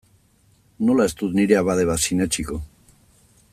Nola ez dut nire abade bat sinetsiko?